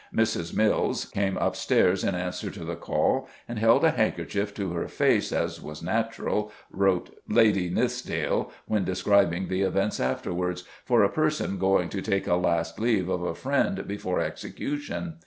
Mrs. Mills came upstairs in answer to the call, and held a handkerchief to her face "as was natural," wrote Lady Nithsdale when describing the events afterwards, "for a person going to take a last leave of a friend before execution.